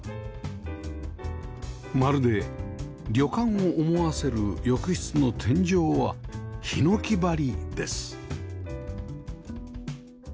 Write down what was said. まるで旅館を思わせる浴室の天井は檜張りです